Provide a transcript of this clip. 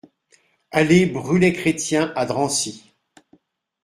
Allée Bruley-Chrétien à Drancy